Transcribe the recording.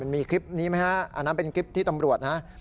มีคลิปนี้ไหมฮะอันนั้นเป็นคลิปที่ตำรวจนะครับ